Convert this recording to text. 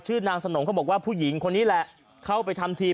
นางสนงเขาบอกว่าผู้หญิงคนนี้แหละเข้าไปทำที